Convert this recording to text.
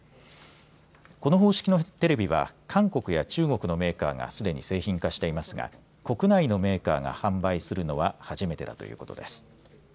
この方式のテレビは韓国や中国のメーカーがすでに製品化していますが国内のメーカーが販売するのは初めてだということです。